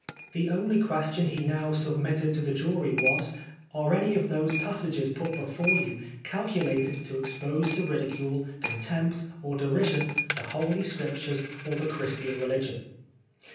The only question he now submitted to the jury was, " Are any of those passages put before you calculated to expose to ridicule, contempt or derision the Holy Scriptures or the Christian religion